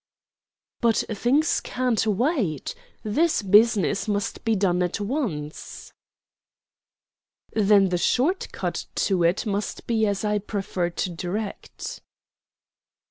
"But things can't wait; this business must be done at once." "Then the short cut to it must be as I prefer to direct."